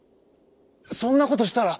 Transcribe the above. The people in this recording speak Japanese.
「そんなことしたら！」。